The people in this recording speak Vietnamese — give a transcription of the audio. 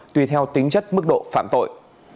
tùy theo tính chất mức độ phạm tội